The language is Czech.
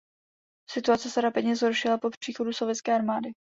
Situace se rapidně zhoršila po příchodu sovětské armády.